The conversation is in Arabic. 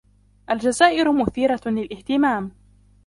الجزائر مثيرة للاهتمام.